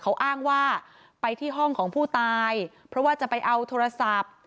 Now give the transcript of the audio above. เขาอ้างว่าไปที่ห้องของผู้ตายเพราะว่าจะไปเอาโทรศัพท์